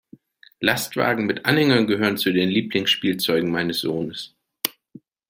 Lastwagen mit Anhängern gehören zu den Lieblingsspielzeugen meines Sohnes.